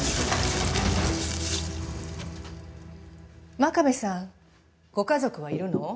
真壁さんご家族はいるの？